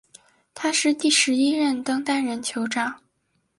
他是第十一任登丹人酋长。